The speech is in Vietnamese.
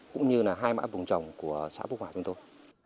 cũng như là hai mã vùng trồng của xã phúc hỏa chúng tôi